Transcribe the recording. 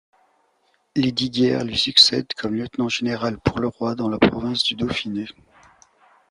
Lesdiguières lui succède comme lieutenant général pour le roi dans la province du Dauphiné.